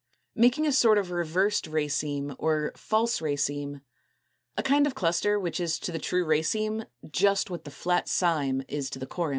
213, making a sort of reversed raceme or false raceme, a kind of cluster which is to the true raceme just what the flat cyme is to the corymb.